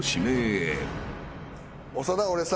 長田俺さ。